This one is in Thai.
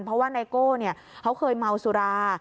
เพราะว่านายโก้เนี่ยเค้าเคยเมาสุรา